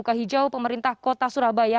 buka hijau pemerintah kota surabaya